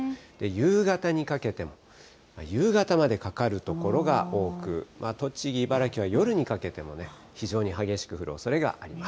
夕方にかけても、夕方までかかる所が多く、栃木、茨城は夜にかけても非常に激しく降るおそれがあります。